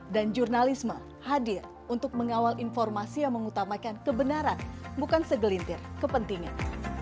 dan jurnalisme hadir untuk mengawal informasi yang mengutamakan kebenaran bukan segelintir kepentingan